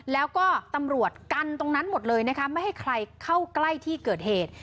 แล้วก็ตำรวจกันตรงนั้นหมดเลยนะคะไม่ให้ใครเข้าใกล้ที่เกิดเหตุ